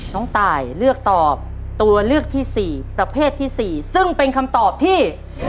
น้องตายเลือกตอบตัวเลือกที่สี่ประเภทที่๔ซึ่งเป็นคำตอบที่